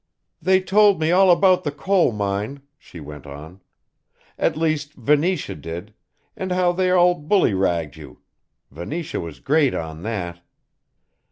"They told me all about the coal mine," she went on, "at least Venetia did, and how they all bully ragged you Venetia was great on that.